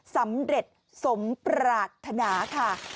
สำเร็จสมปรารถนาค่ะ